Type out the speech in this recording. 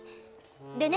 でね